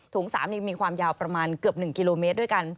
๓มีความยาวประมาณเกือบ๑กิโลเมตรด้วยกัน